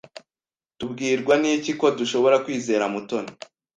Tubwirwa n'iki ko dushobora kwizera Mutoni?